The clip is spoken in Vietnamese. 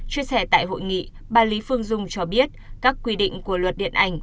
chia sẻ tại hội nghị bà lý phương dung cho biết các quy định của luật điện ảnh